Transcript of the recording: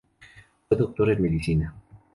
Fue doctor en medicina.